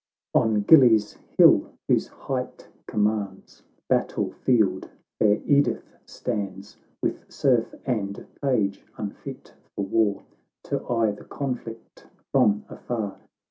xx On Gillie's hill, whose height commands The battle field, fair Edith stands, With serf and page unfit for war, To eye the conflict from afar.